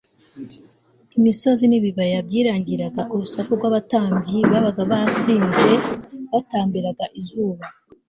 Imisozi nibibaya byirangiraga urusaku rwabatambyi babaga basinze batambiraga izuba